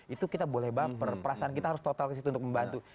itu kita boleh baper perasaan kita harus total ke situ untuk membantu